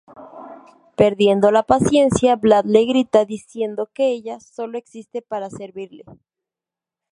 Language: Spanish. Perdiendo la paciencia, Vlad le grita diciendo que ella ""solo existe para servirle"".